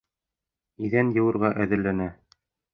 Иҙән йыуырға әҙерләнә.